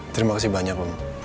terima kasih banyak